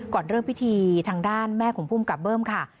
ก่อนเริ่มพิธีทางด้านแม่ของภูมิกับเบิ้มค่ะ